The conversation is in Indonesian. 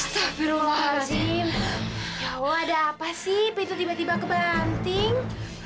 ya allah ada apa sih pintu tiba tiba kebanting